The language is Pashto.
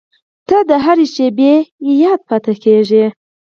• ته د هر شېبې یاد پاتې کېږې.